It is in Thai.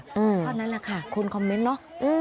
เท่านั้นแหละค่ะคนคอมเมนต์เนอะ